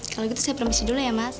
kalau gitu saya premisi dulu ya mas